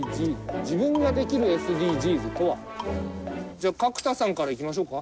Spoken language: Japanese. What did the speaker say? じゃあ角田さんからいきましょうか。